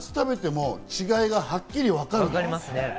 これ、２つ食べても違いがはっきりわかるね。